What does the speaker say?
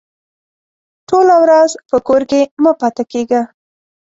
ټوله ورځ په کور کې مه پاته کېږه!